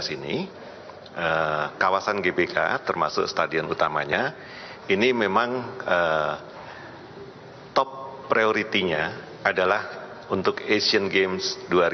dua ribu delapan belas ini kawasan gbk termasuk stadion utamanya ini memang top priority nya adalah untuk asean games dua ribu delapan belas